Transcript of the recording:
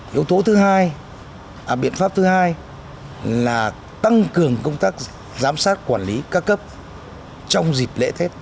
yếu tố thứ hai biện pháp thứ hai là tăng cường công tác giám sát quản lý ca cấp trong dịp lễ tết